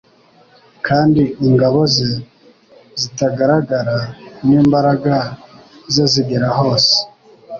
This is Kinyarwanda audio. Kandi ingabo ze zitagaragara, n’imbaraga ze zigera hose,